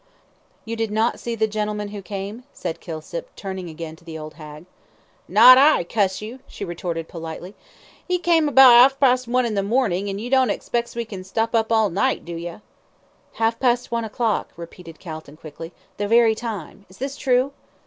"You did not see the gentleman who came?" said Kilsip, turning again to the old hag. "Not I, cuss you," she retorted, politely. "'E came about 'arf past one in the morning, an' you don't expects we can stop up all night, do ye?" "Half past one o'clock," repeated Calton, quickly. "The very time. Is this true?"